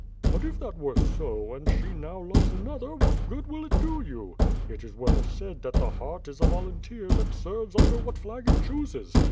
'' "But if that were so, and she now loves another, what good will it do you? It is well said that the heart is a volun teer that serves under what flag it chooses.